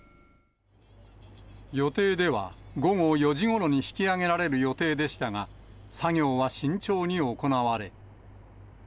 予定では午後４時ごろに引き揚げられる予定でしたが、作業は慎重に行われ。